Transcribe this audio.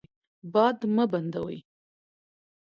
باد مه بندوئ.